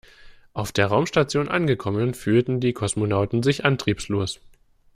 Auf der Raumstation angekommen fühlten die Kosmonauten sich antriebslos.